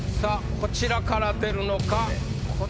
こちらから出るのか？